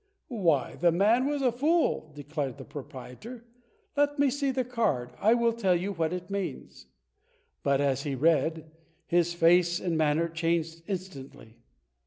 "Why, the man was a fool," declared the proprietor. "Let me see the card; I will tell you what it means." But as he read, his face and manner changed instantly.